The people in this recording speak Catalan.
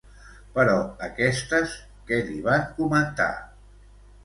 Però aquestes què li van comentar?